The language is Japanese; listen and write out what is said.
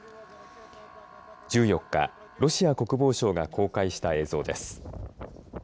１４日、ロシア国防省が公開した映像です。